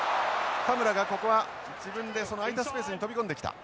田村がここは自分で空いたスペースに飛び込んできた。